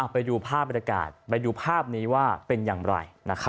ไปดูภาพบรรยากาศไปดูภาพนี้ว่าเป็นอย่างไร